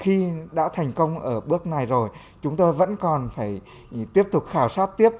khi đã thành công ở bước này rồi chúng tôi vẫn còn phải tiếp tục khảo sát tiếp